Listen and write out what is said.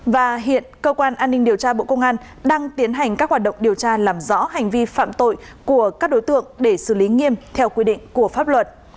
và hiện cơ quan an ninh điều tra bộ công an đang tiến hành các hoạt động điều tra làm rõ hành vi phạm tội của các đối tượng để xử lý nghiêm theo quy định của pháp luật